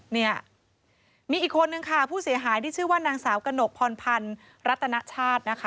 เนี่ยมีอีกคนนึงค่ะผู้เสียหายที่ชื่อว่านางสาวกระหนกพรพันธ์รัตนชาตินะคะ